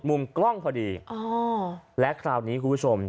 มุมกล้องพอดีและคราวนี้คุณผู้ชม